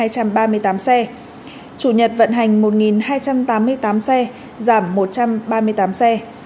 chủ nhật vận hành một hai trăm tám mươi tám xe giảm một trăm ba mươi tám xe